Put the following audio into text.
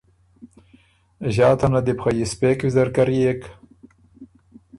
ݫاته نه دی بو خه یِسپېک ویزر کريېک۔